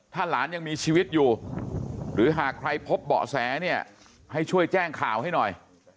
ถ้าหลานยังมีชีวิตอยู่หรือหากใครพบเบาะแสเนี่ยให้ช่วยแจ้งข่าวให้หน่อย